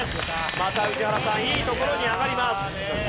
また宇治原さんいい所に上がります。